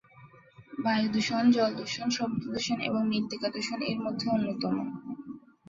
বায়ু দূষণ, জল দূষণ, শব্দ দূষণ এবং মৃত্তিকা দূষণ এর মধ্যে অন্যতম।